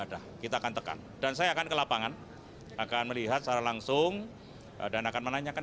ada kita akan tekan dan saya akan ke lapangan akan melihat secara langsung dan akan menanyakan